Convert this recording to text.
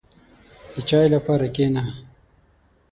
• د چای لپاره کښېنه.